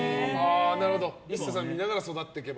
ＩＳＳＡさん見ながら育っていけば。